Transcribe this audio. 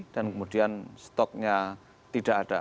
dan kemudian stoknya tidak ada